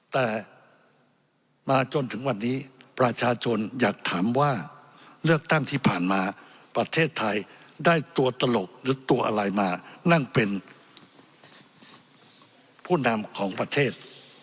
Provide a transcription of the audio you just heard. แต่มาจนถึงวันนี้ประชาชนอยากถามว่าเลือกตั้งที่ผ่านมาประเทศไทยได้ตัวตลกหรือตัวอะไรมานั่งเป็นผู้นำของประเทศ